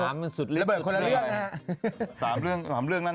สามเรื่องสามเรื่องนั่นใช่ไหม